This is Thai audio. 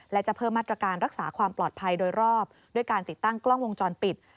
และจะเพิ่มมาตรการรักษาความปลอดภัยโดยรอบด้วยการติดตั้งกล้องวงจรปิด